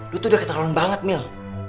lo tuh udah ketakuan banget mil